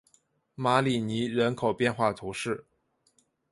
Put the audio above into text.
马里尼人口变化图示